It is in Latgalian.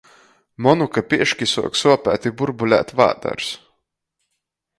Monu, ka pieški suoc suopēt i burbulēt vādars.